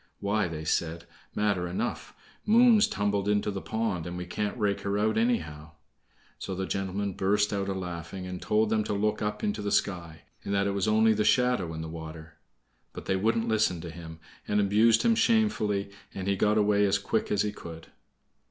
"Why," they said, "matter enough! Moon's tumbled into the pond, and we can't rake her out anyhow!" So the gentleman burst out a laughing, and told them to look up into the sky, and that it was only the shadow in the water. But they wouldn't listen to him, and abused him shamefully, and he got away as quick as he could.